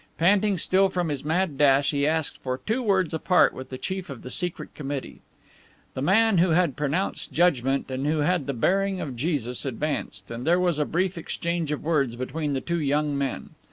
Panting still from his mad rush, he asked for two words apart with the chief of the Secret committee. The man who had pronounced judgment and who had the bearing of Jesus advanced, and there was a brief exchange of words between the two young men.